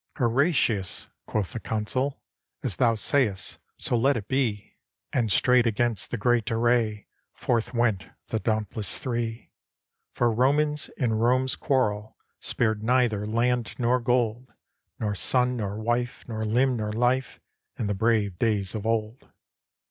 "Horatius," quoth the Consul, "As thou sayest, so let it be." 277 ROME And straight against that great array Forth went the dauntless Three. For Romans in Rome's quarrel Spared neither land nor gold, Nor son nor wife, nor limb nor life, In the brave days of old.